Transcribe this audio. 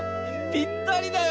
ぴったりだよ！